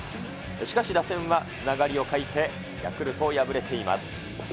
しかし打線はつながりを欠いて、ヤクルト敗れています。